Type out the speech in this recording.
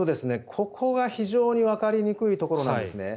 ここが非常にわかりにくいところなんですね。